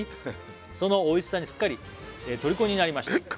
「その美味しさにすっかりとりこになりました」